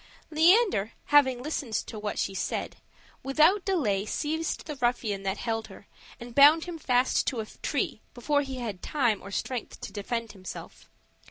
Leander, having listened to what she said, without delay seized the ruffian that held her, and bound him fast to a tree before he had time or strength to defend himself.